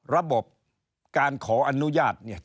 ระบบการขออนุญาตเนี่ย